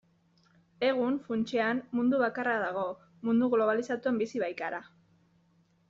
Egun, funtsean, mundu bakarra dago, mundu globalizatuan bizi baikara.